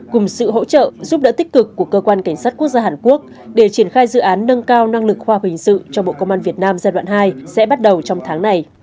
cùng sự hỗ trợ giúp đỡ tích cực của cơ quan cảnh sát quốc gia hàn quốc để triển khai dự án nâng cao năng lực khoa học hình sự cho bộ công an việt nam giai đoạn hai sẽ bắt đầu trong tháng này